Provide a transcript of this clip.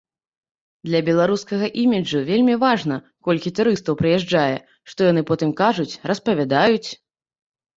Для беларускага іміджу вельмі важна, колькі турыстаў прыязджае, што яны потым кажуць, распавядаюць.